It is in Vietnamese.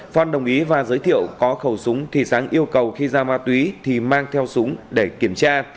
phan đồng ý và giới thiệu có khẩu súng thì sáng yêu cầu khi giao ma túy thì mang theo súng để kiểm tra